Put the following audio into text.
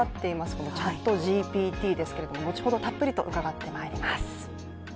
このＣｈａｔＧＰＴですけれども、後ほどたっぷりと伺ってまいります。